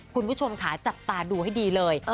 คุณผู้ชมค่ะจับตาดูให้ดีเลย